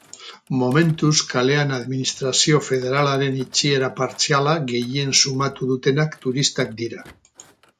Momentuz kalean administrazio federalaren itxiera partziala gehien sumatu dutenak turistak dira.